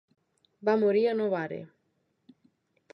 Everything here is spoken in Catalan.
Va morir a Novare.